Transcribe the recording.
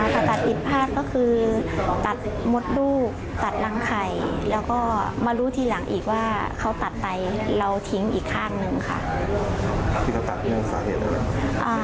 ผ่าตัดผิดพลาดก็คือตัดมดลูกตัดรังไข่แล้วก็มารู้ทีหลังอีกว่าเขาตัดไปเราทิ้งอีกข้างหนึ่งค่ะ